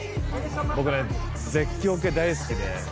僕ね絶叫系大好きで。